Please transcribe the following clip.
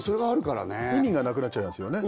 意味がなくなっちゃいますよね